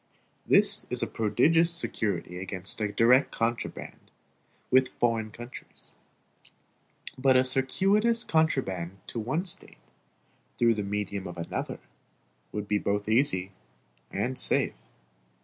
This is a prodigious security against a direct contraband with foreign countries; but a circuitous contraband to one State, through the medium of another, would be both easy and safe.